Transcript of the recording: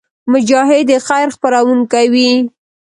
مجاهد د خیر خپرونکی وي.